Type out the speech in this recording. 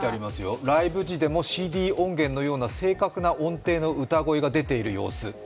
ライブ時でもＣＤ音源のような正確な音源が出ている様子。